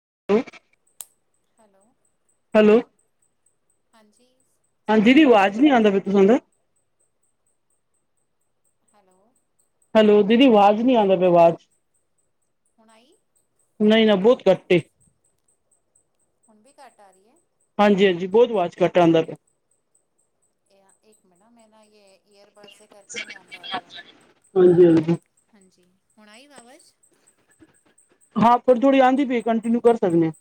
[unintelligible] Hello [inaudible] hello, ਹਾਂਜੀ ਸਤਿ ਹਾਂਜੀ ਸ਼੍ਰੀ ਜੀ। ਅਕਾਲ ਅਵਾਜ਼ ਨੀ ਆਂਉਦਾ ਫਿਰ ਤੁਹਾਡ ਹੈਲੋ [inaudible] ਹੈਲੋ, ਦੀਦੀ ਆਵਾਜ਼ ਨੀ ਆਂਉਦਾ ਪਿਆ ਵਾਜ਼, ਹੁਣ ਆਈ ਨਈ ਨਾ ਬਹੁਤ ਕੱਟੇ ਹੁਣ ਵੀ ਘੱਟ ਆ ਰੀ ਐ। ਹਾਂਜੀ-ਹਾਂਜੀ ਬਹੁਤ ਆਵਾਜ਼ ਘੱਟ ਆਉਂਦਾ ਪਿਆ। ਇੱਕ [unintelligible] ਮਿੰ ਨਾ ਮੇ ਨਾ ਯ ਈਅਰਬਡ ਸੇ ਕਰਕੇ ਨਹੀਂ ਆਉਂਦਾ ਹੋਏਗਾ। ਹਾਂਜੀ ਹਾਂਜੀ ਹਾਂਜੀ। ਹੁਣ ਆਈ ਆਵਾਜ਼। ਹਾਂ, ਥੋੜ੍ਹੀ-ਥੋੜੀ ਆਉਂਦੀ ਪਈ। ਕੰਟੀਨਿਊ ਕਰ ਸਕਦੇ ਹਾਂ।।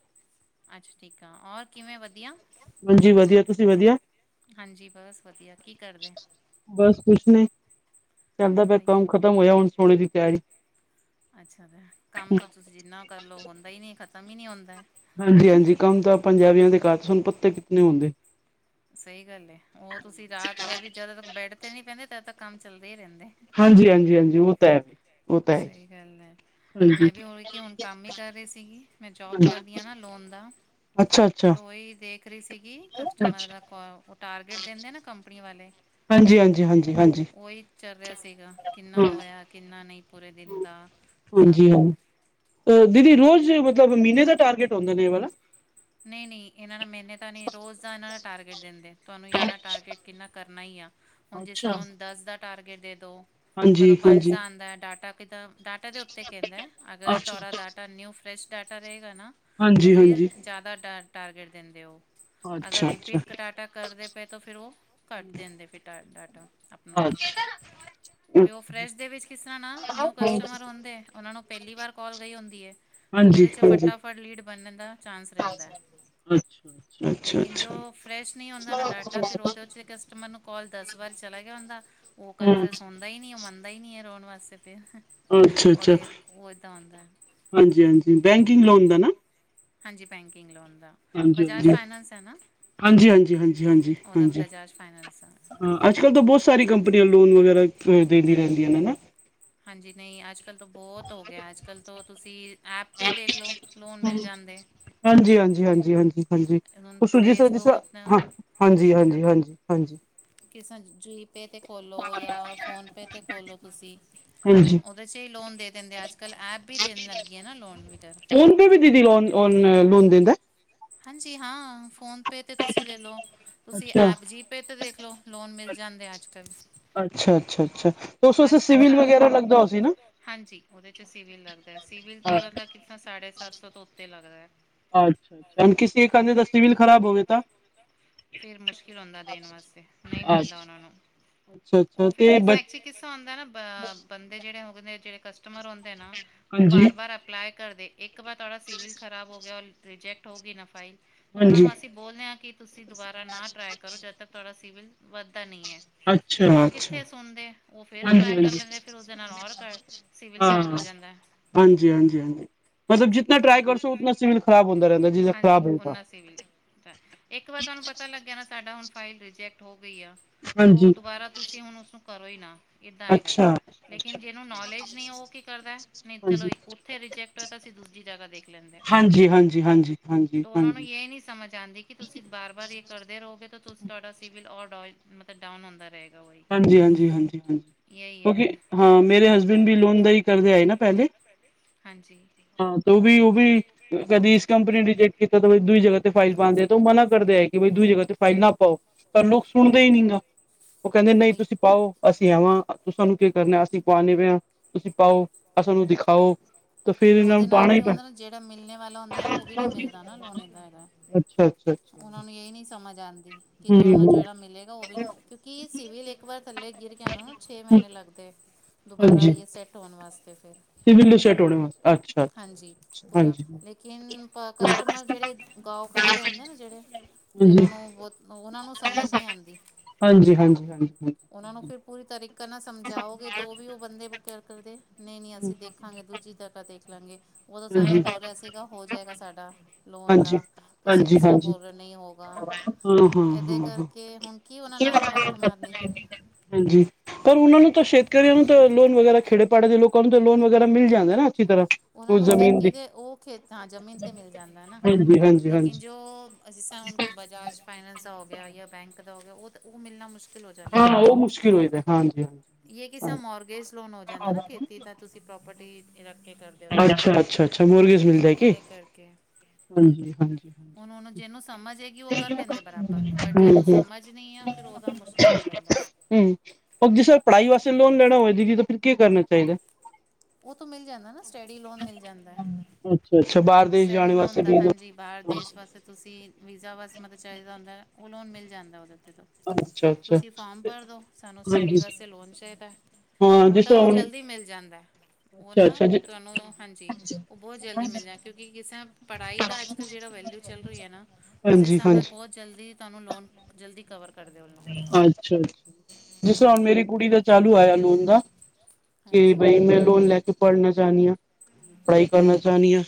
ਅੱਛਾ, ਠੀਕ ਆ। ਹੋਰ ਕਿਵੇਂ ਵਧੀਆ? ਹਾਂਜੀ ਵਧੀਆ ਤੁਸੀਂ ਵਧੀਆ? ਹਾਂਜੀ, ਬਸ ਵਧੀਆ। ਕੀ ਕਰਦੇ? ਬਸ ਕੁਛ ਨਹੀਂ, ਚੱਲਦਾ ਪਿਆ ਬਾਈ ਕੰਮ ਖਤਮ ਹੋਇਆ ਹੁਣ ਸੋਨੇ ਦੀ ਤਿਆਰੀ। ਅੱਛਾ। ਕੰਮ ਤੋਂ ਤੁਸੀਂ ਜਿੰਨਾ ਕਰ ਲਓ। ਹੁੰਦਾ ਹੀ ਨੀ ਖਤਮ ਹੀ ਨਹੀਂ ਹੁੰਦਾ। ਹਾਂਜੀ-ਹਾਂਜੀ, ਕੰਮ ਤਾਂ ਪੰਜਾਬੀਆਂ ਦੇ ਘਰ ਵਿਚ ਪੱਤੇ ਕਿਤਨ ਹੁੰਦੇ। ਸਹੀ ਗੱਲ ਹੈ। ਉਹ ਤੁਸੀਂ ਰਾਤ ਭਰ ਵੀ ਜਦੋਂ ਤੱਕ ਬੈਡ ਤੇ ਨੀ ਪੈਂਦੇ, ਤਦ ਤੱਕ ਕੰਮ ਚੱਲਦਾ ਹੀ ਰਹਿੰਦਾ। ਹਾਂਜੀ-ਹਾਂਜੀ-ਹਾਂਜੀ, ਉਹ ਤਾਂ ਹੈ। ਉਹ ਤਾਂ ਹੈ ਸਹੀ ਗੱਲ ਹੈ। ਹਾਂਜੀ ਮੈਂ ਵੀ ਹੋ ਕਿ ਹੁਣ ਕੰਮ ਹੀ ਕਰ ਰਹੀ ਸੀਗੀ। ਮੈਂ ਜੋਬ ਕਰਦੀ ਹ ਨਾ ਲੋਨ ਦਾ ਅੱਛਾ ਅੱਛਾ ਤੋ ਹੀ ਦੇਖ ਵਖਰੀ ਸੀਗੀ। ਕਸਟਮਰ ਦਾ ਕੋਲ, ਉਹ ਟਾਰਗੇਟ ਦਿੰਦੇ ਨਾ ਕੰਪਨੀ ਵਾਲੇ। ਜੀ, ਹਾਂਜੀ-ਹਾਂਜੀ-ਹਾਂਜੀ। ਉਹੀ ਚੱਲ ਰਿਹਾ ਸੀਗਾ। ਕਿੰਨਾ ਹੋਇਆ, ਕਿੰਨਾ ਨਹੀਂ। ਪੂਰੇ ਦਿਨ ਦਾ ਸਭ ਹਾਂਜੀ-ਹਾਂ ਦੀਦੀ, ਜੀ ਰੋਜ਼ ਮਤਲਬ ਮਹੀਨੇ ਦਾ ਟਾਰਗੇਟ ਹੁੰਦਾ ਨੇ ਇਹ ਵਾਲਾ। ਨਹੀਂ- ਨਹੀਂ, ਇਹਨਾਂ ਦਾ ਮਹੀਨੇ ਤਾਂ ਨਹੀਂ, ਰੋਜ਼ ਦਾ ਇਹਨਾਂ ਦਾ ਟਾਰਗੇਟ ਦਿੰਦੇ। ਤੁਹਾਨੂੰ ਇਹਨਾ ਟਾਰਗੇਟ ਕਿੰਨਾ ਕਰ ਨਹੀ ਆ। ਹੁਣ ਜਿਸ ਅੱਛਾ। ਤਰ੍ਹਾਂ ਹੁਣ ਦਸ ਦਾ ਟਾਰਗੇਟ ਦੇ ਦੋ। ਹਾਂਜੀ, ਕਦੋਂ ਪੰਜ ਹਾਂਜੀ। ਦਾ ਆਉਂਦਾ ਡਾਟਾ ਕਿੱਦਾਂ ਡਾਟਾ ਦੇ ਉੱਤੇ ਕਹਿੰਦਾ ਹੈ। ਅਗਰ ਅੱਛਾ। ਤੁਹਾਡਾ ਡਾਟਾ ਨਿਊ ਫਰੈਸ਼ ਡਾਟਾ ਰਹੇ। ਨਾ ਤੋਂ ਹਾਂਜੀ, ਫਿਰ ਹਾਂਜੀ। ਜ਼ਿਆਦਾ ਟਾਰ ਟਾਰਗੇਟ ਦੇਂਦੇ ਹੋ। ਅਗਰ ਅੱਛਾ, ਅੱਛਾ। ਰਿਪੀਟ ਕਟਾਟਾ ਕਰਦੇ ਪਏ ਤੋਂ ਫਿਰ ਉਹ ਕੱਟ ਦੇਂਦੇ ਫਿਰ ਅੱਛ [inaudible] ਫੇਰ ਉਹ ਫਰੈਸ਼ ਦੇ ਵਿੱਚ ਕਿਸ ਤਰ੍ਹਾਂ ਨਾ ਨਿਊ ਕਸਟਮਰ ਹੁੰਦੇ ਉਹਨਾ ਨੂੰ ਪਹਿਲੀ ਵਾਰ ਕਾਲ ਗਈ ਹੁੰਦੀ ਏ। ਤੋਂ ਉਹਦੇ ਚ ਹਾਂਜੀ। ਫਟਾਫਟ ਲੀਡ ਬਨਨ ਦਾ ਚਾਂਸ ਰਹਿੰਦਾ ਹੈ ਅੱਛਾ, ਅੱਛਾ, ਅੱਛਾ, ਲੇਕਿਨ ਜੋ ਅੱਛਾ। ਫਰੈਸ਼ ਨਹੀਂ ਹੁੰਦਾ ਨਾ ਡਾਟਾ ਫਿਰ ਉਹਦੇ ਵਿੱਚ ਕਸਟਮਰ ਨੂੰ ਕਾਲ ਦਸ ਵਾਰ ਚਲਾ ਗਿਆ ਹੁੰਦਾ। ਉਹ ਕਨਫਿਊਜ ਹੁੰਦਾ ਹੀ ਨਹੀਂ, ਮੰਨਦਾ ਹੀ ਨੀ ਹੈ ਰੋਣ ਵਾਲ ਅੱਛਾ ਅੱਛਾ, ਉਹ ਇੱਦਾਂ ਹੁੰਦਾ ਹੈ। ਹਾਂਜੀ-ਹਾਂਜੀ, ਬੈਂਕਿੰਗ ਲੋਨ ਦਾ ਨਾ? ਹਾਂਜੀ, ਬੈਂਕਿੰਗ ਲੋਨ ਦਾ, ਹਾਂਜੀ, ਬਜਾਜ ਹਾਂਜੀ। ਫਾਈਨਸ ਹੈ ਨਾ? ਹਾਂਜੀ, ਹਾਂਜੀ, ਹਾਂਜੀ, ਹਾਂਜੀ, ਉਹਦਾ ਹਾਂਜੀ ਬਜਾਜ ਫਾਈਨੈਂਸ ਆ ਹਾਂ ਅੱਜ ਕੱਲ੍ਹ ਤਾਂ ਬੋਤ ਸਾਰੀ ਕੰਪਨੀਆਂ ਲੋਨ ਵਗੈਰਾ ਅ ਦੇਂਦੀ ਰਹਿੰਦੀਆਂ ਹਨਾ? ਹਾਂਜੀ, ਨਹੀਂ ਅੱਜ ਅੱਜ-ਕੱਲ ਤੋਂ ਬੋਤ ਹੋ ਗਿਆ, ਅੱਜ ਕਲ ਤੋਂ ਤੁਸੀਂ ਐਪ ਤੇ ਦੇਖਲੋ ਲੋਨ ਮਿਲ ਜਾਂਦੇ। ਹਾਂਜੀ, ਹਾਂਜੀ, ਹਾਂਜੀ, ਹਾਂਜੀ, ਹਾਂਜੀ ਹੁਣ ਉਹ ਜਿਸ ਤਰਾਂ, ਜਿਸ ਫੇਸਬੁੱਕ ਤਰਾਂ ਆਪਣਾ ਹਾਂ ਹਾਂਜੀ, ਹਾਂਜੀ, ਹਾਂਜੀ। ਹਾਂਜੀ। ਜਿਸ ਤਰਾਂ ਜ਼ੁਈ ਪੇ 'ਤੇ ਖੋਲੋ ਯਾ ਫੋਨਪੇ 'ਤੇ ਖੋਲ੍ਹੋ ਤੁਸੀਂ ਹਾਂਜੀ। ਉਹਦੇ ਚ ਹੀ ਲੋਨ ਦੇ ਦੇਂਦੇ, ਅੱਜ ਕੱਲ ਐਪ ਵੀ ਦੇਨ ਲੱਗ ਗੀ ਹੈ ਨਾ ਲੋਨ [unintelligible] ਲੋ ਔਨ ਲੋਨ ਦਿੰਦਾ। ਹਾਂਜੀ ਹਾਂ, ਫੋਨ ਪੇ ਤੇ ਤੁਸੀਂ ਲੈ ਲੋ। ਤੁਸੀਂ ਅੱਛਾ। ਐਪ ਜੀਪੇ ਤੇ ਦੇਖਲੋ, ਲੋਨ ਮਿਲ ਜਾਂਦੇ ਅੱਜ ਕੱਲ। ਅੱਛਾ-ਅੱਛਾ-ਅੱਛਾ ਤਾਂ ਉਸਸੇ ਸਿਵਿਲ ਸਾਰਿਆਂ ਵਗੈਰਾ ਤੇ ਹੋ ਲੱਗਦਾ ਗਿਆ। ਹੋਸੀ ਨਾ ਹਾਂਜੀ, ਉਹਦੇ 'ਚ ਸਿਵਲ ਲੱਗਦਾ, ਸਿਵਲ ਤੋਂ ਉਹਨਾਂ ਦਾ ਕਿਤਨਾ ਸਾਢੇ ਸੱਤ ਸੌ ਤੋਂ ਉੱਤੇ ਲੱਗਦਾ। [unintelligible] ਫੇਰ ਮੁਸ਼ਕਿਲ ਹੋਂਦਾ ਦੇਣ ਵਾਸਤੇ ਨਹੀਂ ਮਿਲਦਾ ਉਹਨਾਂ ਨੂੰ, ਉਹ ਫਿਰ ਕਿਸ ਚ ਐਕ ਚ ਕਿੱਸਾ ਹੂੰਦਾ ਨਾ ਬੰਦੇ ਜਿਹੜੇ ਆ ਹੋਂਦੇ ਜਹੜੇ ਕਸਟਮਰ ਹੋਂਦੇ ਨਾ ਉਹ ਹਾਂਜੀ ਬਾਰ-ਬਾਰ ਅਪਲਾਈ ਕਰਦੇ ਇੱਕ ਤੋ ਬਾਦ ਤੁਹਾਡਾ ਸਿਵਿਲ ਖਰਾਬ ਹੋ ਗਿਆ, ਔਰ ਰਿਜੈਕਟ ਹੋ ਗੀ ਨਾ ਫਾਈਲ ਤੋਂ ਉਹਨਾ ਹਾਂਜੀ ਨੂੰ ਅਸੀਂ ਬੋਲਨੇ ਆਂ ਕਿ ਤੁਸੀਂ ਦੁਬਾਰਾ ਨਾ ਟ੍ਰਾਈ ਕਰੋ, ਜਦ ਤੱਕ ਤੁਡਾ ਸਿਵਲ ਵੱਧਦਾ ਨਹੀਂ ਐ। ਅੱਛਾ ਲੇਕਿਨ ਉਹ ਅੱਛਾ ਕਿੱਥੇ ਸੁਣਦੇ, ਉਹ ਫਿਰ ਹਾਂਜੀ ਟ੍ਰਾਈ ਕਰ ਹਾਂਜੀ ਲੈਂਦੇ, ਫਿਰ ਉਸਦੇ ਨਾਲ ਹੋਰ ਘਟ, ਸਿਵਿਲ ਹਾਂ ਹਾਂ ਬੈਂਡ ਹੋ ਜਾਂਦਾ ਐ। ਹਾਂਜੀ, ਹਾਂਜੀ, ਹਾਂਜੀ, ਮਤਲਬ ਜਿਤਨਾ ਟ੍ਰਾਈ ਉਹੀ ਕਰਸੋ ਉਤਨਾ ਸਿਵਿਲ ਖ਼ਰਾਬ ਹੁੰਦਾ ਰਹਿੰਦਾ ਜਿਦਾ ਹਾਂਜੀ, ਖ਼ਰਾਬ ਹੋਏ ਤਾਂ ਓਨਾ ਸਿਵਿਲ ਘਟ, ਇੱਕ ਵਾਰ ਤੁਹਾਨੂੰ ਪਤਾ ਲੱਗ ਗਿਆ ਨਾ ਸਾਡਾ ਹੁਣ ਫਾਈਲ ਰਿਜੈਕਟ ਹੋ ਗਈ ਆ, ਤੋ ਹਾਂਜੀ ਦੁਬਾਰਾ ਤੁਸੀਂ ਹੁਨ ਉਸਨੂੰ ਕਰੋ ਹੀ ਨਾ। ਏਦਾਂ ਹੈਗਾ ਅੱਛਾ ਲੇਕਿਨ ਜਿਹਨੂੰ ਨੌਲੇਜ ਨਹੀਂ ਐ ਉਹ ਕੀ ਕਰਦਾ, ਨਹੀਂ ਚਲੋ ਹਾਂਜੀ ਉੱਥੇ ਰਿਜੈਕਟ ਹੋਈ ਤਾਂ ਅਸੀਂ ਦੂਜੀ ਜਗ੍ਹਾ ਦੇਖ ਲੈਂਦੇ। ਹਾਂਜੀ ਹਾਂਜੀ ਹਾਂਜੀ ਹਾਂਜੀ ਤੋ ਉਹਨਾ ਨੂੰ ਹਾਂਜੀ ਹਾਂਜੀ ਯੇ ਨੀ ਸਮਝ ਆਂਦੀ ਕਿ ਤੁਸੀਂ ਬਾਰ-ਬਾਰ ਇਹ ਕਰਦੇ ਰਹੋਗੇ ਤੋ ਤੁਸ, ਤੁਹਾਡਾ ਸਿਵਲ ਹੋਰ ਡੋਏ ਮਲਬ ਡਾਉਨ ਹੁੰਦਾ ਰਹੇ ਹਾਂਜੀ-ਹਾਂਜੀ, ਹਾਂਜੀ-ਹਾਂਜੀ। ਕਿਉਂਕ, ਹੈ ਹਾਂ ਮੇਰੇ ਹਸਬੈਂਡ ਵੀ ਲੋਨ ਦਾ ਹੀ ਕਰਦੇ ਆਏ ਨਾ ਪਹਿਲੇ। ਹਾਂਜੀ ਹਾਂ। ਤੇ ਉਹ ਵੀ, ਉਹ ਵੀ ਕਦੀ ਇਸ ਕੰਪਨੀ ਨੇ ਰਿਜੈਕਟ ਕੀਤਾ, ਦੂਈ ਜਗ੍ਹਾ ਤੇ ਫਾਈਲ ਪਾਂਦੇ ਤੇ ਉਹ ਮਨਾ ਕਰਦੇ ਹੈ ਕਿ ਬਈ ਦਈ ਜਗ੍ਹਾ ਤੇ ਫਾਈਲ ਨਾ ਪਾਓ ਪਰ ਲੋਕ ਸੁਣਦੇ ਹੀ ਨੀ ਨਾ। ਉਹ ਕਹਿੰਦੇ ਨਹੀਂ ਉਹੀ ਤੁਸੀਂ ਪਾਓ ਅਸੀਂ ਆਵਾਂ ਤੁਸਾਂ ਨੂੰ ਕੀ ਕਰਨਾ, ਅਸੀਂ ਪਾਨੇ ਪਏ ਆਂ, ਤੁਸੀਂ ਪਾਓ, ਅਸਾਂ ਨੂੰ ਦਿਖਾਓ। ਤਾਂ ਫੇਰ ਇਹਨਾਂ ਉਹਦੇ ਨੂੰ ਨਾਲ ਪਾਉਣਾ ਕਿ ਹੀ ਪੈਣਾ ਹੁੰਦਾ ਨਾ, ਜਿਹੜਾ ਮਿਲਨੇ ਵਾਲਾ ਹੁੰਦਾ ਨਾ ਉਹ ਵੀ ਨੀ ਮਿਲਦਾ ਨਾ ਲੋਨ, ਇੱਦਾਂ ਹੈਗਾ। ਅੱਛਾ ਅੱਛਾ ਅੱਛਾ ਉਹਨਾਂ ਨੂੰ ਇਹ ਈ ਨੀ ਸਮਝ ਆਂਦੀ ਕਿ ਹਮ ਤੁਹਾਨੂੰ ਹਮ ਜਿਹੜਾ ਮਿਲੇਗਾ ਉਹ ਵੀ ਕਿਉਂਕਿ ਸਿਵਿਲ ਇੱਕ ਵਾਰ ਥੱਲੇ ਗਿਰ ਗਿਆ ਨਾ, ਛੇ ਮਹੀ ਮਹੀਨੇ ਲੱਗਦੇ, ਦੁਬਾਰਾ ਹਾਂਜੀ ਇਹ ਸੈੱਟ ਹੋਨ ਵਾਸਤੇ। ਪੂਰਾ, ਸਿਵਲ ਸੈਟ ਹੋਣੇ ਵਾਸਤੇ ਅੱਛਾ ਅੱਛਾ ਹਾਂਜੀ ਅੱਛਾ ਪੂਰਾ ਹਾਂਜੀ ਲੇਕਿਨ ਕਸਟਮਰ ਹਾਂਜੀ ਜਿਹੜੇ ਗਾਓ ਖੜੇ ਦੇ ਹੁੰਦੇ ਨੇ ਜਿਹੜੇ, ਜਿਹਨਾਂ ਨੂੰ ਬੋਤ ਓਹ ਹਾਂਜੀ, ਹਾਂਜੀ, ਹਾਂਜੀ। ਉਹਨਾਂ ਨੂੰ ਹਾਂਜੀ ਫਿਰ ਪੂਰੀ ਤਰੀਕਾ ਨਾਲ ਸਮਝਾਓਗੇ, ਤੋ ਵੀ ਉਹ ਬੰਦੇ [unintelligible] ਕਰਦੇ ਨਹੀਂ- ਨਹੀਂ, ਅਸੀਂ ਦੇਖਾਂਗੇ। ਦੂਜੀ ਜਗ੍ਹਾ ਦੇਖ ਲਾਂਗੇ। ਉ ਤੇ ਹਾਂਜੀ। ਸਾਨੂੰ ਬੋਲ ਹਾਂਜੀ, ਰਿਹਾ ਸੀਗਾ, ਹੋ ਜਾਏਗਾ ਸਾਡਾ। ਲੋਨ ਹਾਂਜੀ, ਦਾ, ਤੁਸੀਂ ਕਿਸ ਤਰ੍ਹਾਂ ਹਾਂਜੀ, ਬੋਲ ਰਹੇ ਨਹੀਂ ਹੋਗਾ। ਹਾਂ, ਹਾਂ, ਹਾਂ, ਇਹਦੇ ਹਾਂ। ਕਰਕੇ ਹੁਣ ਕੀ ਵ ਨਾਲ ਮੱਥੇ ਮਾਰਨੀ। ਫਿਰ ਹਾਂਜੀ, ਪਰ ਉਹਨਾਂ ਨੂੰ ਤਾਂ ਛੇਤਕੀਆਂ ਨੂੰ ਤਾਂ ਲੋਨ ਵਗੈਰਾ ਖੇੜੇ ਪੜ ਦੇ ਲੋਕਾਂ ਨੂੰ ਤੇ ਲੋਨ ਵਗੈਰਾ ਮਿਲ ਜਾਂਦੇ ਨਾ। ਅੱਛੀ ਤਰ੍ਹਾਂ। ਉਹਨਾਂ ਉਹ ਨੂੰ ਜ਼ਮੀਨ ਦੀ ਖੇਤੀ ਦੇ ਉਹ ਖੇ, ਹਾਂ ਜਮੀਨ ਤੇ ਮਿਲ ਜਾਂਦਾ। ਹਾਂਜੀ, ਹਾਂਜੀ, ਲੇਕਿਨ ਹਾਂਜੀ ਜੋ ਜਿਸ ਤ੍ਹਾਂ ਹੁਣ ਬਜਾਜ ਫਾਈਨੈਂਸ ਦਾ ਹੋ ਗਿਆ ਜਾਂ ਬੈਂਕ ਦਾ ਹੋ ਗਿਆ, ਉਹ ਤੇ, ਉਹ ਮਿਲਣਾ ਮੁਸ਼ਕਿਲ ਹਾਂ, ਉਹ ਮੁਸ਼ਕਿਲ ਹੈਗਾ, ਹਾਂ। ਯੇ ਕਿਸੇ ਮੋਰਗੇਜ ਲੋਨ ਹੋ ਜਾਂਦਾ ਨਾ ਖੇਤੀ ਤਾਂ ਤੁਸੀਂ ਪ੍ਰੋਪਰਟੀ ਰੱਖ ਕੇ ਕਰਦੇ ਹੋ ਤਾਂ ਅੱਛਾ-ਅੱਛਾ-ਅੱਛਾ, ਮੁਰਗੀਸ ਮਿਲਦਾ ਕੇ। ਉਹਦੇ ਕਰਕੇ ਹਾਂਜੀ-ਹਾਂਜੀ-ਹਾਂਜੀ। ਗੀ ਉਹ ਕਰ ਲੈਂਦੇ ਬਰਾਬਰ, ਪਰ ਜਿਨੂੰ ਸਮਝ ਨਹੀਂ ਆ, ਫੇਰ ਉਹਦਾ ਮੁਸ਼ਕਿਲ ਹੋ ਜਾਂਦਾ। ਹਮ, ਓ ਜਿਸੇ ਪੜ੍ਹਾਈ ਵਾਸਤੇ ਲੋਨ ਲੈਣਾ ਹੋਵੇ ਦੀਦੀ ਤਾਂ ਫਿਰ ਕੀ ਕਰਨਾ ਚਾਹੀਦਾ? ਉਹ ਤੋਂ ਮਿਲ ਜਾਂਦਾ ਨਾ, ਸਟਡੀ ਲੋਨ ਮਿਲ ਜਾਂਦਾ। ਅੱਛਾ, ਅੱਛਾ ਬਾਹਰ ਦੇਸ਼ ਸਟਡੀ ਜਾਣ ਲੋਨ ਵਾਸਤੇ ਦਾ ਵੀ ਹਾਂਜੀ, ਬਾਹਰ ਦੇਸ਼ ਵਾਸਤੇ ਤੁਸੀਂ ਵੀਜ਼ਾ ਵਾਸ ਮਤਲਬ ਚਾਹੀਦਾ ਹੁੰਦਾ, ਉਨ੍ਹਾਂ ਨੁੰ ਮਿਲ ਜਾਂਦਾ ਉਹਦੇ ਅੱਛਾ, ਅੱਛਾ। ਤੁਸੀਂ ਫੋਮ ਭਰ ਦੋ, ਸਾਨੂੰ ਸਟੱਡੀ ਹਾਂਜੀ, ਵਾਸਤੇ ਲੋਨ ਚਾਹੀਦਾ ਹਾਂ ਜਿਸ ਉਲਟਾ ਤਰ੍ਹਾਂ ਉਹ ਹੁਣ ਜਲਦੀ ਮਿਲ ਜਾਂਦੈ। ਉਹ ਅੱਛਾ ਨਾ ਅੱਛਾ ਜੀ ਤੁਹਾਨੂੰ ਹਾਂਜੀ, ਉਹ ਬਹੁਤ ਜਲਦੀ ਮਿਲਦੈ। ਕਿਉਂਕਿ ਇਸ ਤਰ੍ਹਾਂ ਪੜ੍ਹਾਈ ਦਾ ਅੱਜ ਕੱਲ੍ਹ ਜਿਹੜਾ ਵੈਲਿਯੂ ਚੱਲ ਰਹੀ ਹੈ ਨਾ, ਉਸ ਹਾਂਜੀ ਹਿਸਾਬ ਨਾਲ ਹਾਂਜੀ ਬਹੁਤ ਜਲਦੀ ਤੁਹਾਨੂੰ ਲੋਨ, ਜਲਦੀ ਕਵਰ ਕਰਦੇ ਉਹ ਲੋਨ ਅੱਛਾ-ਅੱਛਾ, ਜਿਸ ਤਰ੍ਹਾਂ ਹੁਣ ਮੇਰੀ ਹਾਂਜੀ ਕੁੜੀ ਦਾ ਚਾਲੂ ਹੋਇਆ ਲੋਨ ਦਾ ਕਿ ਹਾਂਜੀ ਬਈ ਮੈਂ ਲੋਨ ਲੈ ਕੇ ਪੜ੍ਹਨਾ ਚਾਹੁੰਦੀ ਹਾਂ। ਪੜ੍ਹਾਈ ਕਰਨਾ ਹੂੰ ਚਾਹਨੀਂ ਆਂ।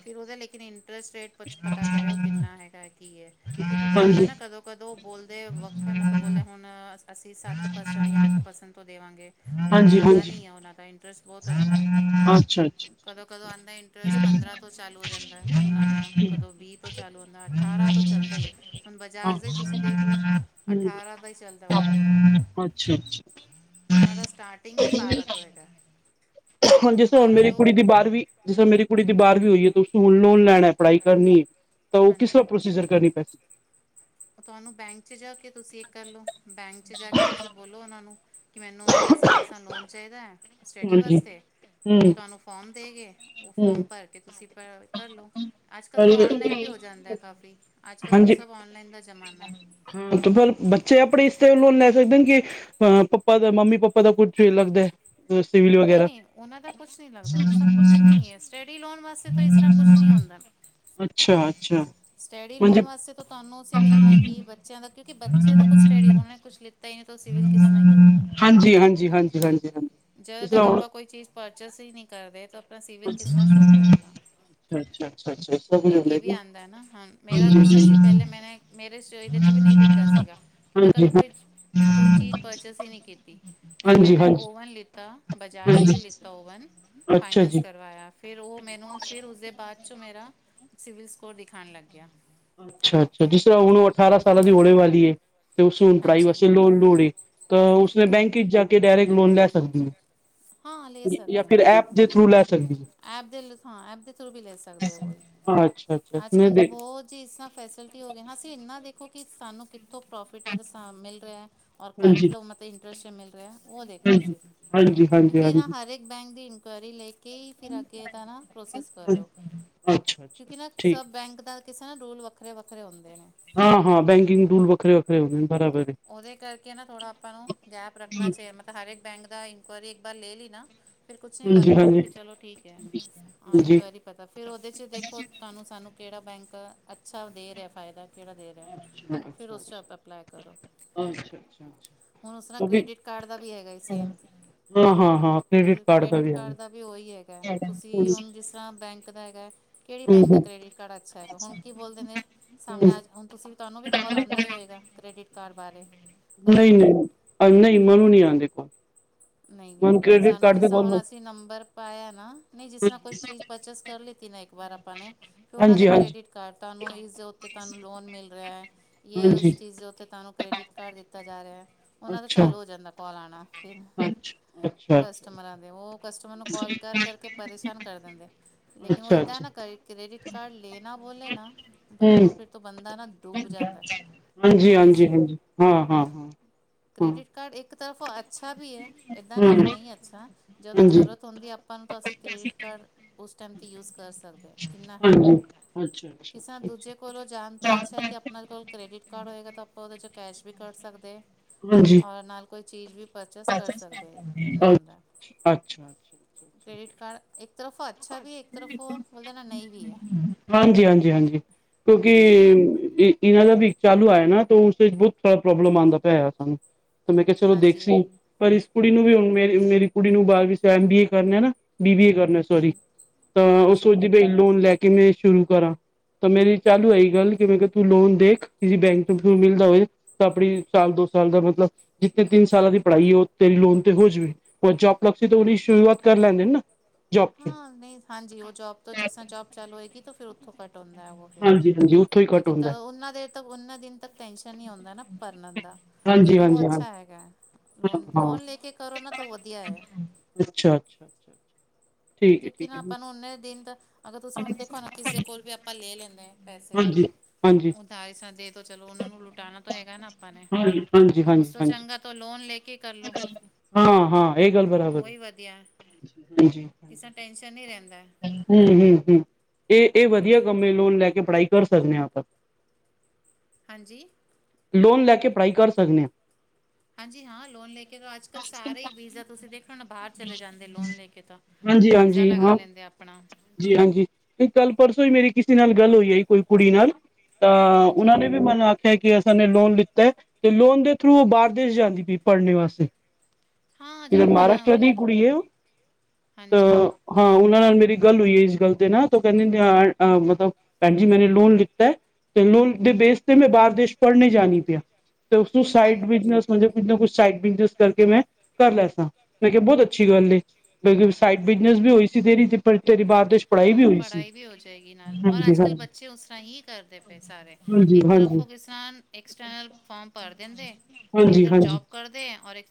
ਫਿਰ ਉਹਦਾ ਲੇਕਿਨ ਇੰਟਰਸਟ ਰੇਟ ਕੁੱਛ ਪਤਾ ਕਰਿਓ, ਕਿੰਨਾ ਹੈਗਾ ਕੀ ਐ। ਕਿਉਂਕਿ ਕੀ ਹੁੰਦਾ ਹਾਂਜੀ ਨਾ ਕਦੋਂ ਕਦੋਂ ਬੋਲਦੇ ਵੱਖ ਹੈ ਮਤਲਬ ਬੋਲੇਿਆ ਹੁਣ ਅਸ ਅਸੀਂ ਸੱਤ ਪਰਸੈਂਟ ਜਾਂ ਅੱਠ ਪਰਸੈਂਟ ਤੋਂ ਦੇਵਾਂਗੇ, ਲੇਕਿਨ ਹਾਂਜੀ ਹੁੰਦਾ ਹਾਂਜੀ ਨਹੀਂ ਹੈ ਉਹਨਾਂ ਦਾ ਇੰਟਰਸਟ। ਬਹੁਤ ਹੁੰਦਾਂ ਅੱਛਾ ਅੱਛਾ ਕਦੋਂ ਕਦੋਂ ਆਉਂਦਾ ਇੰਟਰਸਟ ਪੰਦਰਾਂ ਤੋਂ ਚਾਲੂ ਹੋ ਜਾਂਦਾ ਉਹਨਾਂ ਦਾ ਕਦੋਂ ਵੀਹ ਤੋਂ ਚਾਲੂ ਹੁੰਦਾ ਅਠਾਰਾਂ ਤੋਂ ਚੱਲਦਾ ਹੀ ਹੈ, ਹੁਣ ਬਾਜਾਰ ਹਾਂ ਦੇ ਤੁਸੀਂ ਦੇਖਲਓ ਹੂੰ, ਅਠਾਰਾਂ ਦਾ ਹੀ ਚੱਲਦਾ ਉਹਨਾਂ ਦਾ। ਅੱਛਾ ਅੱਛਾ। ਉਹਨਾਂ ਦਾ ਸਟਾਰਟਿੰਗ ਹੀ ਬਾਰਾਂ ਤੋਂ ਹੈਗਾ। ਹੁਣ ਜਿਸ ਵਰ੍ਹੇ ਬਾਰਾਂ ਮੇਰੀ ਤੋਂ ਕੁੜੀ ਦੀ ਬਾਰਵੀ, ਜਿਸ ਵਰ੍ਹੇ ਮੇਰੀ ਕੁੜੀ ਦੀ ਬਾਰ ਵੀ ਉਹੀਏ ਹੁਣ ਲੋਨ ਲੈਣਾ, ਪੜ੍ਹਾਈ ਕਰਨੀ ਏ, ਤਾਂ ਉਹ ਕਿਸ ਤਰ੍ਹਾਂ ਹਾਂਜੀ ਪ੍ਰੋਸੀਜਰ ਕਰੇ ਪੈਸੇ। ਤੁਹਾਨੂੰ ਬੈਂਕ 'ਚ ਜਾ ਕੇ ਤੁਸੀਂ ਇੱਹ ਕਰਲੋ, ਬੈਂਕ 'ਚ ਜਾ ਕੇ ਤੁਸੀਂ ਬੋਲੋ ਉਹਨਾ ਨੂੰ। ਕਿ ਮੈਨੂੰ ਇਸਾਂ ਦਾ ਲੋਨ ਚਾਹੀਦਾ ਹੈ ਸਟੱਡੀ ਹਾਂਜੀ ਵਾਸਤੇ, ਤੋਂ ਹਮ ਤੁਹਾਨੂੰ ਫੋਰਮ ਦੇ ਗੇ। ਉਹ ਫੋਮ ਭਰ ਕੇ ਤੁਸੀਂ ਕਰਲਓ, ਅੱਜ ਕੱਲ ਤੋਂ ਹਮ ਔਨਲਾਈਨ ਵੀ ਹੋ ਜਾਂਦਾ ਹੈ ਕਾਫੀ ਅੱਜ ਕੱਲ੍ਹ ਤਾਂ ਹਾਂਜੀ ਸਭ ਔਨਲਾਈਨ ਦਾ ਜ਼ਮਾਨਾ ਹੈ ਹਾਂ ਤੇ ਫਿਰ ਬੱਚੇ ਆਪਣੇ ਇਸਤੇ [inaudible] ਬੋਲਣਗੇ ਹਾਂ ਅ ਪਾਪਾ ਦਾ ਮੰਮੀ ਪਾਪਾ ਦਾ ਕੁੱਝ ਲੱਗਦਾ। ਹੈ ਸਿਵਲ ਨਹੀਂ ਵਗੈਰਾ ਨਹੀਂ ਉਹਨਾ ਦਾ ਕੁਛ ਨਹੀਂ ਲੱਗਦਾ, ਉਹ ਸਭ ਕੁੱਛ ਸਟਡੀ ਲੋਨ ਵਾਸਤੇ ਤਾਂ ਇਸ ਤਰ੍ਹਾਂ ਕੁਛ ਨੀ ਆਉਂਦਾ। ਅੱਛਾ ਅੱਛਾ ਸਟੱਡੀ ਲੋਨ ਹਾਂਜੀ ਵਾਸਤੇ ਤਾਂ ਤੁਹਾਨੂੰ ਅਸੀਂ ਵੀ ਇਨਾ ਕਿ ਬੱਚਿਆਂ ਦਾ, ਕਿਉਂਕਿ ਬੱਚੇ ਦਾ ਕੁਛ ਸਟੱਡੀ ਉਹ ਨੇ ਕੁਛ ਲੀ ਤਾਂ ਇਹਨੂੰ ਤੋਂ ਸਿਵਲ ਕਿਸ ਨਾਲ ਹੀ ਹੋਏਗਾ। ਹਾਂਜੀ ਹਾਂਜੀ ਹਾਂਜੀ ਹਾਂਜੀ ਹਾਂਜੀ ਜਦੋਂ ਜਿਸ ਤੱਕ ਤਰ੍ਹਾਂ ਹੁਣ ਆਪਾਂ ਕੋਈ ਚੀਜ਼ ਪਰਚੇਸ ਹੀ ਨਹੀਂ ਕਰਦੇ ਤਾਂ ਆਪਣਾ ਸਿਵਿਲ ਅੱ ਕਿਸ ਤਰ੍ਹਾਂ ਸ਼ੋ ਕਰੇਗਾ। ਅੱਛਾ ਅੱਛਾ ਅੱਛਾ ਅੱ। ਇੱਕ ਇਹ ਵੀ ਆਉਂਦਾ ਨਾ ਹੁਣ ਮੇਰਾ ਕਿਸਾਂ ਸੀ, ਪਹਿਲੇ ਮੈ ਮੇਰੇ 'ਚ ਦੇ ਚ ਵੀ ਨਹੀਂ ਦਿਖਦਾ ਸੀਗਾ। ਕਿ ਮੈਂ ਕਦੋਂ ਹਾਂ ਕੋਈ ਕੋਈ ਚੀਜ਼ ਪਰਚੇਸ ਹੀ ਨਹੀਂ ਕੀਤੀ, ਫਿਰ ਹਾਂਜੀ ਮੈਨੇ ਹਾਂਜੀ ਓਵਨ ਲੀ ਤਾਂ ਬਜਾਜ ਤੋਂ ਹੀ ਹਾਂਜੀ ਲਿਤਾ ਓਵਨ ਅੱਛਾ ਫਾਈਨਸ ਜੀ ਕਰਵਾਇਆ, ਫਿਰ ਉਹ ਮੈਨੂੰ ਫਿਰ ਉਸਦੇ ਬਾਅਦ ਉਸ 'ਚ ਮੇਰਾ ਸਿਵਲ ਸਕੋਰ ਦਿਖਾਉਣ ਲੱਗ ਗਿਆ। ਅੱਛਾ-ਅੱਛਾ, ਜਿਸ ਤਰ੍ਹਾਂ ਹੁਣ ਔ ਅਠਾਰਾਂ ਸਾਲਾਂ ਦੀ ਹੋਨੇ ਵਾਲੀ ਹੈ। ਤੇ ਉਸ ਹੁਣ ਪੜ੍ਹਾਈ ਹਾਂਜੀ। ਵੈਸੇ ਲੋਨ ਲੋੜ ਲਈ, ਤਾਂ ਉਸਨੇ ਬੈਂਕ ਵਿੱਚ ਜਾ ਕੇ ਡਾਇਰੈਕਟ ਲੋਨ ਲੈ ਸਕਦੀ ਐ। ਹ। ਜਾਂ ਫਿਰ ਐਪ ਦੇ ਥਰੂ ਲੈ ਸਕਦੀ ਹੈ। ਐਪ ਦੇ ਲਾਂ ਹਾਂ ਐਪ ਦੇ ਥਰੂ ਵੀ ਲੈ ਸਕਦੇ ਹੋ, ਕੋਈ ਹੈ ਅੱਛਾ ਅੱਛਾ ਮੈਂ ਅੱਜ-ਕੱਲ ਤਾਂ ਦੇਖ ਬਹੁਤ ਜੀ ਇਸ ਫੈਸਿਲਟੀ ਹੋਗੀ, ਅਸੀਂ ਇੰਨਾ ਦੇਖੋ ਕਿ ਸਾਨੂੰ ਕਿਥ ਜਿਥੋਂ ਪ੍ਰੋਫਿਟ ਮਤਲਬ ਨੁਕਸਾਨ ਮਿਲ ਰਿਹਾ ਹੈ, ਔਰ ਘੱਟ ਲੋਨਾ ਤੇ ਮਤਲਬ ਇੰਟਰਸਟ ਮਿਲ ਰਿਹਾ ਹੈ। ਹਾਂਜੀ-ਹਾਂਜੀ-ਹਾਂਜੀ। ਕਿਉਂਕਿ ਇਹਨਾਂ ਹਰੇਕ ਬੈਂਕ ਦੀ ਇਨਕੁਆਇਰੀ ਲਈ ਕੇ ਫਿਰ ਅੱਗੇ ਇਹਦਾ ਨਾ ਪ੍ਰੋਸੈਸ ਕਰਿਓ, ਅੱਛਾ, ਅੱਛਾ ਕਿਉਂਕਿ ਨਾ ਅੱਛਾ ਠੀਕ ਸਭ ਬੈਂਕ ਦਾ ਸਾਰੇ ਰੂਲ ਵੱਖਰੇ-ਵੱਖਰੇ ਹੁੰਦੇ ਨੇ। ਹਾਂ-ਹਾਂ ਬੈਂਕਿੰਗ ਟੂਲ ਵੱਖਰੇ-ਵੱਖਰੇ ਹੋ ਗਏ ਨੇ। ਬਰਾਬਰ ਏ। ਉਹਦੇ ਕਰਕੇ ਨਾ ਥੋੜਾ ਆਪਾਂ ਨੂੰ ਗੈਪ ਰੱਖਣਾ ਚਾਹੀਦਾ, ਮਤਲਬ ਹਰੇਕ ਬੈਂਕ ਦਾ ਇਨਕ ਵਾਰੀ ਇੱਕ ਬਾਰ ਲੈ ਲੀ ਨਾ। ਫਿਰ ਕੁਛ ਨਹੀਂ ਹਾਂਜੀ, ਲੱਗਦਾ ਹਾਂਜੀ, ਵੀ ਚਲੋ ਠੀਕ ਹੈ, ਆ ਹਾਂਜੀ ਇਨਕੁਆਇਰੀ ਪਤਾ ਫਿਰ ਉਹਦੇ 'ਚ ਦੇਖੋ ਤੁਹਾਨੂੰ ਸਾਨੂੰ ਕਿਹੜਾ ਬੈਂਕ ਅੱਛਾ ਦੇ ਰਿਹਾ ਫਾਇਦਾ ਕਿਹੜਾ ਦੇ ਰਿਹਾ, ਫਿਰ ਉਸ 'ਚ ਆਪਾਂ ਅਪਲਾਈ ਕਰੋ। ਅੱਛਾ-ਅੱਛਾ, ਹੁਣ ਉਸ ਅੱ ਤੇ ਕ੍ਰੈਡਿਟ ਕਾਰਡ ਦਾ ਵੀ ਉਹੀ ਹੈਗਾ, ਤੁਸੀਂ ਹੁਣ ਜਿਸ ਤਰ੍ਹਾਂ ਬੈਂਕ ਤਾਂ ਹੈਗਾ। ਕਿਹੜੀ ਬੈਂਕ ਦਾ ਹੂੰ, ਕ੍ਰੈਡਿਟ ਕਾਰਡ ਅੱਛਾ ਹੈਗਾ, ਹੁਣ ਕੀ ਬੋਲਦੇ ਨੇ ਹੂੰ ਸਾਹਮਣੇ ਹੁਣ ਤੁਸੀਂ ਤੁਹਾਨੂੰ ਵੀ ਕਾਲ ਆਂਦਾ ਹੀ ਹੋਏਗਾ। ਕ੍ਰੈਡਿਟ ਕਾਰਡ ਬਾਰੇ। ਕਦੋਂ ਕਦੋਂ ਨਹੀਂ-ਨਹੀਂ-ਨਹੀਂ, ਮੈਨੂੰ ਨਹੀਂ ਆਦੇ ਕਾਲ। ਨਹੀਂ-ਨਹੀਂ ਸਾਨੂੰ ਜਿਸ ਤਰ੍ਹਾਂ ਹੁਣ ਅਸੀਂ ਨੰਬਰ ਪਾਇਆ ਨਾ, ਨਹੀਂ ਜਿਸ ਤਰ੍ਹਾਂ ਕੋਈ ਚੀਜ਼ ਪਰਚੇਸ ਕਰ ਲਤੀ। ਕਿ ਇੱਕ ਵਾਰ ਆਪਾਂ ਨੇ ਫ਼ਿਰ ਉਹਨਾਂ ਦੇ ਹਾਂਜੀ, ਹਾਂਜੀ, ਕ੍ਰੇਡਿਟ-ਕਾਰਡ ਤੁਹਾਨੂੰ ਇਸਦੇ ਉੱਤੇ ਤੁਹਾਨੂੰ ਲੋਨ ਮਿਲ ਰਿਹਾ ਹੈ ਜੇ ਹਾਂਜੀ ਉਸ ਚੀਜ਼ ਦੇ ਉੱਤੇ ਤੁਹਾਨੂੰ ਕ੍ਰੈਡਿਟ ਕਾਰਡ ਦਿੱਤਾ ਜਾ ਰਿਹਾ। ਉਹਨਾਂ ਦਾ ਅੱਛਾ, ਚਾਲੂ ਹੋ ਜਾਂਦਾ ਕਾਲ ਆਣਾ, ਫਿਰ ਅੱਛਾ, ਅੱਛਾ, ਅੱਛਾ। ਕਸਟਮਰਾਂ ਦੇ ਉਹ ਕਸਟਮਰ ਨੂੰ ਕਾਲ ਕਰ ਕਰ ਕੇ ਪ੍ਰੇਸ਼ਾਨ ਕਰ ਦਿੰਦੇਂ, ਲ਼ੇਕਿਨ ਉਹ ਅੱਛਾ, ਏਦਾਂ ਅੱਛਾ ਨਾ ਕਰੇ ਕ੍ਰੇਡਿਟ ਕਾਰਡ ਲੈਨਾ। ਬੋਲ਼ੇ ਨਾ ਪਹਿਲੇ ਹੂੰ ਤੋਂ ਫ਼ਿਰ ਤੋਂ ਬਣਦਾ ਨਾਂ ਦੋ ਹਜ਼ਾਰ ਰੁਪਏ। ਹਾਂਜੀ, ਹਾਂਜੀ, ਹਾਂਜੀ, ਹਾਂ-ਹਾਂ। ਕਰੇਡਿਟ ਕਾਰਡ ਇੱਕ ਤਰਫੋਂ ਅੱਛਾ ਵੀ। ਹੈ ਇੱਦਾਂ ਨਹੀਂ ਕਿ ਹੂੰ ਨਹੀਂ ਅੱਛਾ, ਜਦੋਂ ਹਾਂਜੀ, ਜ਼ਰੂਰਤ ਹੁੰਦੀ ਆਪਾਂ ਨੂੰ ਤਾਂ ਅਸੀਂ ਕ੍ਰੈਡਿਟ ਕਾਰਡ ਉਸ ਟਾਇਮ 'ਤੇ ਯੂਜ਼ ਕਰ। ਪੈਸਾ ਕਿੰਨਾਂ ਹੈਗਾ। ਹਾਂਜੀ, ਅੱਛਾ, ਅੱਛਾ, ਕਿਸੇ ਅੱਛਾ, ਅੱਛਾ ਦੂਜ਼ੇ ਕੋਲੋਂ ਜਾਂਣ ਤੋਂ ਅੱਛਾ ਹੈ, ਕਿ ਆਪਣਾ ਕੋਲ਼ ਕ੍ਰੈਡਿਟ ਕਾਰਡ ਹੋਏਗਾ ਤਾਂ ਆਪਾਂ ਉਹਦੇ ਚ ਕੈਸ਼। ਵੀ ਕੱਢ ਸੱਕਦੇ, ਹਾਂਜੀ, ਔਰ ਨਾਲ਼ ਕੋਈ ਚੀਜ਼ ਵੀ ਪਰਚੇਸ ਕਰ ਸੱਕਦੇ। ਅੱਛਾ-ਅੱਛਾ। ਕ੍ਰੈਡਿਟ ਕਾਰਡ ਇੱਕ ਤਰਫੋਂ ਅੱਛਾ ਵੀ ਹੈ, ਇੱਕ ਤਰਫੋਂ ਬੋਲ ਦੇਣਾ ਨਹੀਂ ਵੀ ਹੈਂ। ਹਾਂਜੀ, ਹਾਂਜੀ, ਹਾਂਜੀ ਕਿਉਂਕਿ, ਨਹੀਂ ਇਹਨਾਂ ਦਾ ਵੀ ਚਾਲੂ ਆਇਆਂ, ਨਾ ਤੋਂ ਉਸ ਦਿਨ ਬਹੁਤ ਬੜਾ ਪ੍ਰੋਬਲਮ ਆਦਾ ਪਿਆ ਐ ਸਾਨੂੰ ਤਾਂ ਮੈਂ ਕਿਹਾਂ ਚਲੋਂ ਦੇਖ ਹਾਂਜੀ ਸੀ, ਨਹੀਂ ਪਰ ਇਸ ਕੋਲ਼ ਇਨੂੰ ਵੀ ਮੇਰੀ-ਮੇਰੀ ਕੁੜੀ ਨੂੰ ਬਾਅਦ ਵਿਚ ਐਮ ਬੀਏ ਕਰਨਾਂ ਹੈ ਨਾ ਬੀ ਬੀ ਏ ਕਰਨ ਸੋਰੀ, ਹਾਂਜੀ ਤਾਂ ਉਹ ਅੱਛਾ ਸੋਚਦੀ ਪਈ ਲੋਨ ਲੈ ਕੇ ਮੈਂ ਸ਼ੁਰੂ ਕਰਾਂ। ਤਾਂ ਮੇਰੀ ਚਾਲੂ ਹੋਈ ਗੱਲ਼ ਕਿ, ਮੈਂ ਕਿਹਾਂ ਤੂੰ ਲੋਨ ਦੇਖ ਕਿਸ਼ੇ ਬੈਂਕ ਤੋਂ ਮਿਲ਼ਦਾ ਹੋਵੇਂ ਤਾਂ ਆਪਣੀਂ ਸਾਲ ਦੋ। ਸਾਲ ਦਾ ਮੱਤਲਬ ਜਿੱਥੇ ਤਿੰਨ ਸਾਲਾਂ ਦੀ ਪੜ੍ਹਾਈ ਹੈ, ਉਹ ਤੇਰੀ ਲੋਨ ਤੇ ਹੋ ਜਾਵੇਂ, ਪਰ ਜੋਪ ਲੱਗ ਕੇ ਤੇ ਉਹ ਸ਼ੁਰੂਆਤ। ਕਰ ਲੈਂਦੇ ਨੇਂ ਨਾ। ਜੋਬ ਚ ਹਾਂ ਨਹੀਂ ਹਾਂਜੀ, ਉਹ ਜੋਬ ਤੋਂ ਜਿਸ ਤਰ੍ਹਾਂ ਜੋਬ ਚਾਲੂ ਹੋਏਗੀ, ਫ਼ਿਰ ਉੱਥੋਂ ਕੱਟ ਕੀਤਾ ਹੁੰਦਾ ਹੈ, ਹਾਂਜੀ ਉੱਥੋਂ ਹੀ ਘੱਟ ਲ਼ੇਕਿਨ ਤਾਂ ਹੁੰਦਾ ਉਹਨਾਂ ਦੇ ਤਾਂ ਉਹਨੇ ਦਿਨ ਤੱਕ। ਟੈਨਸ਼ਨ ਨੀਂ ਆਦਾ ਨਾ ਭਰਨ ਦਾ। ਹਾਂਜੀ ਲ਼ੇਕਿਨ ਉਹ ਹਾਂਜੀ ਹਾਂ ਅੱਛਾ ਹੈਗਾ ਹੈ, ਹਾਂ ਲੋਨ-ਲੋਨ ਲੈ ਕੇ ਕਰੋਂ ਨਾ ਤੋਂ ਵਧੀਆਂ ਹੈਂ। ਅੱਛਾ ਜੀ। ਕਿਉਂਕਿ ਨਾ ਆਪਾਂ ਨੂੰ ਉਨੇ ਦਿਨ ਤਾਂ। ਅਗਰ ਤੁਸੀਂ ਹੁਣ ਦੇਖੋਂ ਨਾ ਕਿਸ਼ੇ ਕੋਲ਼ ਵੀ ਆਪਾਂ ਲ਼ੈ ਲੈਂਦੇ। ਪੈਸੇ- ਹਾਂਜੀ ਹਾਂਜੀ ਉਧਾਰ ਜਿਸ ਤਰ੍ਹਾਂ ਤੇ। ਚਲੋਂ ਉਹਨਾਂ ਨੂੰ ਲੁਟਾਉਣਾ ਤੋਂ ਹੈਗਾ ਨਾ ਆਪਾਂ ਨੇਂ। ਹਾਂਜੀ ਹਾਂਜੀ ਉਸ ਹਾਂਜੀ ਤੋਂ ਹਾਂਜੀ ਚੰਗ਼ਾ ਤਾਂ ਲੋਨ ਲੈ ਕੇ ਕਰ ਲਓ ਹਾਂ, ਹਾਂ ਇਹ ਗੱਲ਼ ਬਰਾਬਰ ਉਹੀ ਵਧੀਆ ਹੈਂ। ਕਿਸੇ ਟੈਨਸ਼ਨ ਨੀਂ ਰਹਿੰਦਾਂ। ਹੂੰ ਹੂੰ ਹੂੰ। ਇਹ, ਇਹ ਵਧੀਆਂ ਕੰਮ ਹੈ। ਲੋਨ ਲੈ ਕੇ ਪੜ੍ਹਾਈ ਕਰ ਸਕਦੇ ਹਾਂ ਆਪਾਂ। ਹਾਂਜੀ? ਲੋਨ ਲੈ ਕੇ ਪੜ੍ਹਾਈ ਕਰ ਸਕਦੇ ਹਾਂ। ਹਾਂਜੀ। ਹਾਂ ਲੋਨ ਲੈ ਕੇ ਅੱਜ਼ ਕੱਲ੍ਹ ਸਾਰੇ ਹੀ ਵੀਜ਼ਾ ਤੁਸੀਂ ਦੇਖੇ ਹੋਣੇ। ਬਾਹਰ ਚਲੇਂ ਜਾਂਦੇ ਲੋਨ ਲੈ ਕੇ ਤਾਂ ਵੀਜ਼ਾ ਲਗਾਂ ਲੈਂਦੇਂ ਆਪ। ਜੀ ਹਾਂਜੀ ਤੇ ਕੱਲ੍ਹ ਪਰਸੋਂ ਹੀ ਮੇਰੀ ਕਿਸ਼ੇ ਨਾਲ਼ ਗੱਲ਼ ਹੋਈ ਹੈ। ਕੋਈ ਕੁੜੀ ਨਾਲ਼। ਤਾਂ ਉਹਨਾਂ ਹਾਂਜੀ ਨੇਂ ਵੀ ਮਨ। ਟੈਕਿਅਸ ਦਾ ਉਹਨੇ ਲੋਨ ਲਿੱਤਾ ਹੈਂ। ਤੇ ਲੋਨ ਦੇ ਥਰੂ ਉਹ ਬਾਹਰ ਦੇਸ਼ ਜਾਂਦੀ ਪਈ ਪੜ੍ਹਨੇ ਵਾਸਤੇ ਹਾਂ ਕਿਧਰ ਜਾਂਦੇ ਨਾ ਉਹ ਮਹਾਰਾਸ਼ਟਰ ਲੈ ਦੀ ਕੇ ਕੁੜੀ ਹੈਂ ਉਹ। ਤਾਂ ਹਾਂਜੀ ਹਾਂ ਉਹ ਨਾਲ਼ ਮੇਰੀ ਗੱਲ਼ ਹੋਈ ਹੈ ਇਸ ਗੱਲ਼ ਤੇ ਨਾ ਉਹ ਕਹਿੰਦੇ ਮੱਤਲਬ ਭੈਣ ਜੀ ਮੈਂਨੇ ਲੋਨ ਲਿੱਤਾ। ਤੇ ਲੋਨ ਦੇ ਬੇਸ ਤੇ ਮੈਂ ਬਾਹਰ ਦੇਸ਼ ਪੜ੍ਹਨ ਜਾਣੀ ਪੲਈ ਤੇ ਉਸੂੰ ਹਾਂ ਸਾਈਡ ਬਿਨਸ ਮਤਲਬ ਨਾ ਕੁਛ ਸਾਈਡ ਬਿਜਨਸ ਕਰਕੇ ਮੈਂ ਕਰ ਲੈ ਸਾਂ। ਮੈਂ ਕਿਹਾ ਬਹੁਤ ਅੱਛੀ ਗੱਲ ਏ। ਕਿਉਂਕਿ ਸਾਈਡ ਬਿਜਨਸ ਵੀ ਹੋਈ। ਜਿਦੇ ਦੀ। ਇੱਥੇਂ ਪੜ ਦੇਸ਼ ਪੜ੍ਹਾਈ ਵੀ। ਹਾਂ ਪੜ੍ਹਾਈ ਵੀ ਹੋ ਜਾਏਂਗੀ ਨਾਲ਼। ਔਰ ਹਾਂਜੀ ਅੱਜ਼ ਕੱਲ੍ਹ ਹਾਂਜੀ ਬੱਚੇ ਉਸ ਤਰ੍ਹਾਂ ਹੀ ਕਰਦੇਂ ਪਏ ਸਾਰੇ। ਹਾਂਜੀ ਇੱਕ ਤਰਫ ਹਾਂਜੀ ਉਹ ਕਿਸ ਤਰ੍ਹਾਂ। ਇੱਕ ਸਟਰੈਲ ਫ਼ਾਰਮ ਭਰ ਦਿੰਦੇਂ। ਇੱਕ ਹਾਂਜੀ ਤਰਫ ਹਾਂਜੀ ਜੋਬ ਕਰਦੇਂ।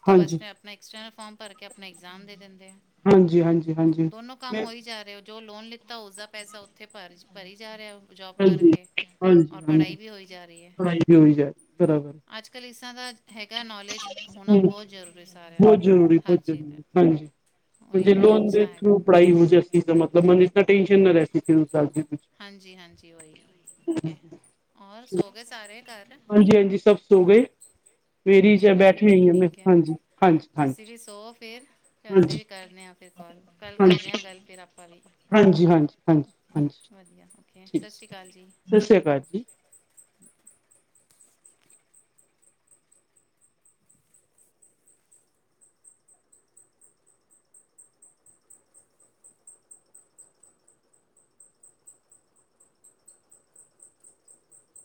ਤਾਂ ਬਸ ਹਾਂਜੀ ਆਪਣਾਂ ਐਕਸਟਰਨਲ ਫ਼ਾਰਮ ਭਰ ਕੇ ਆਪਣਾਂ ਐਗਜ਼ਾਮ ਦੇ। ਦਿੰਦੇ ਆ ਹਾਂਜੀ, ਹਾਂਜੀ, ਹਾਂਜੀ। ਜ਼ੋ ਲੋਨ ਲਿੱਤਾ ਉਸਦਾ ਪੈਸਾਂ ਉੱਥੇ ਭਰ ਭਰੀ ਜਾਂ ਰਿਹਾਂ। ਜੋਬ ਹਾਂਜੀ ਕਰਕੇ ਹਾਂਜੀ ਔਰ ਹਾਂਜੀ ਪੜ੍ਹਾਈ ਵੀ ਹੋਈ ਜਾਂ ਰਹੀਂ ਹੈਂ। ਪੜ੍ਹਾਈ ਵੀ ਹੋਈ ਜਾਏ ਬਰਾਬਰ ਅੱਜ਼ ਕੱਲ੍ਹ ਇਸ। ਇਦਾ ਦਾ ਹੈਗਾ ਨੌਲੇਜ ਹੋਣਾਂ ਹੂੰ ਬਹੁਤ ਜ਼ਰੂਰੀ ਸਾਰਿਆਂ ਨੂੰ। ਹਾਂਜੀ। ੇ ਲੋਨ ਦੇ ਥਰੂ ਪੜ੍ਹਾਈ ਹੋ ਜਾ ਅ ਸੀ ਤਾਂ ਮਤਲਬ ਮ ਇ ਤਾਂ ਟੇਨਸ਼ਨ ਨਾ ਰ ਸਕ ਸੀ ਹਾਂਜੀ ਹਾਂਜੀ ਉਹੀ ਹੋਰ ਸੋ ਗਏ ਸਾਰੇ ਘਰ ਹਾਂਜੀ ਹਾਂਜੀ ਸਭ ਸੋ ਗਏ ਫਰੀ ਚਲੋ ਫਿਰ ਬੈਠੀ ਆਈ ਹਾਂ ਮੈਂ ਠੀਕ ਹੈ ਹਾਂਜੀ ਹਾਂਜੀ ਤੁਸੀਂ ਹਾਂਜੀ ਵੀ ਸੋ ਫਿਰ ਅਸੀਂ ਵੀ ਕਰਦੇ ਹਾਂ ਫਿਰ ਕਾਲ ਕੱਲ ਹਾਂਜੀ ਹਾਂਜੀ ਕਰੇ ਹਾਂ ਗੱਲ ਫਿਰ ਆਪਾਂ ਵੀ ਹਾਂਜੀ ਹਾਂਜੀ ਹਾਂਜੀ ਹਾਂਜੀ ਵਧੀਆ ਓਕੇ ਠੀਕ ਸ਼੍ਰੀ ਅਕਾਲ ਜੀ ਸਤਿ ਸ੍ਰੀ ਅਕਾਲ ਜੀ